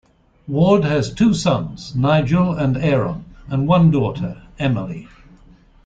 Ward has two sons, Nigel and Aaron, and one daughter, Emily.